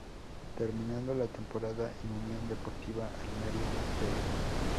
Terminando la Temporada en Unión Deportiva Almería "B".